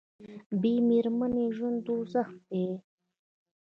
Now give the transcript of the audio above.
بې میرمنې ژوند دوزخ دی